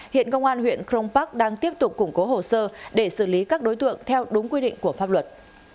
hiện công an huyện crong park đang tiếp tục củng cố hồ sơ để xử lý các đối tượng theo đúng quy định của pháp luật